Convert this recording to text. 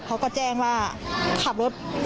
เขาก็แจ้งว่าขับรถ